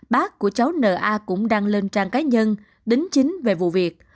bác của cháu n a cũng đang lên trang cá nhân đính chính về vụ việc